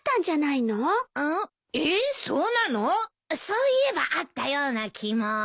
そういえばあったような気も。